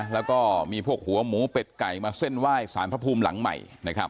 แล้วก็มีพวกหัวหมูเป็ดไก่มาเส้นไหว้สารพระภูมิหลังใหม่นะครับ